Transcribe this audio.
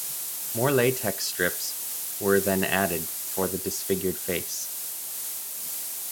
More latex strips were then added for the disfigured face.